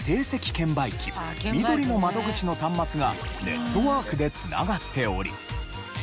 券売機みどりの窓口の端末がネットワークで繋がっており。